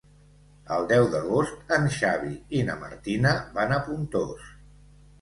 El deu d'agost en Xavi i na Martina van a Pontós.